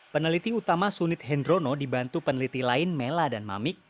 peneliti utama sunit hendrono dibantu peneliti lain mela dan mamik